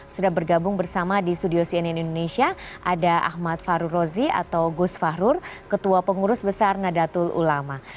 sudah bergabung bersama di studio cnn indonesia ada ahmad farurozi atau gus fahrur ketua pengurus besar nga datul ulama